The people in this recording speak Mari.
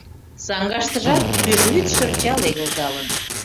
Саҥгаштыжат пӱжвӱд шырча легылдалын.